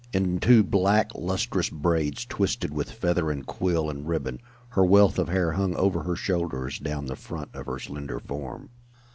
In two black, lustrous braids, twisted with feather and quill and ribbon, her wealth of hair hung over her shoulders down the front of her slender form.